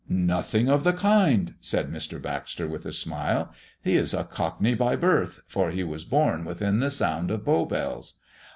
"Nothing of the kind," said Mr. Baxter, with a smile. "He is a Cockney by birth, for he was born within the sound of Bow bells.